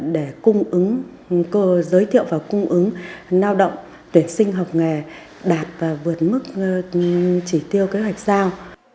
để cung ứng giới thiệu và cung ứng lao động tuyển sinh học nghề đạt và vượt mức chỉ tiêu kế hoạch giao